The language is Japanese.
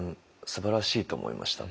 すばらしいと思いました。